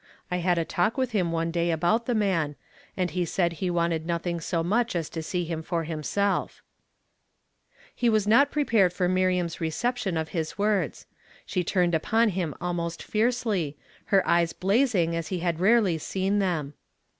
I had a talk with him one day about the 154 YESTEUDAY ruAMED IN TO DAV. man, and lie said lie wanted notliing so much as to see him for liinisclf." He was not prepurcd for Miriam's reception of his words. She turned \\\n)\\ liim almost fiercely, her eyes blazing as he had rarely seen them.